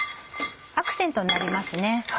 アクセントになりますね。